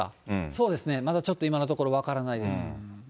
そうですね、まだちょっと今のところ、分からないです。